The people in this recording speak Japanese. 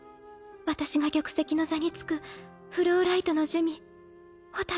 私が玉石の座につくフローライトの珠魅蛍。